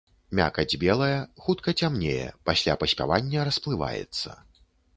Мякаць белая, хутка цямнее, пасля паспявання расплываецца.